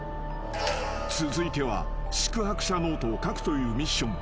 ［続いては宿泊者ノートを書くというミッション］